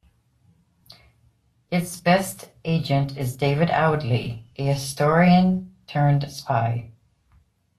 Its best agent is David Audley, a historian turned spy.